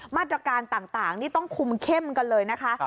มาตรการต่างนี่ต้องคุมเข้มกันเลยนะคะ